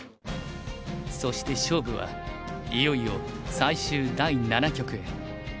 そして勝負はいよいよ最終第七局へ。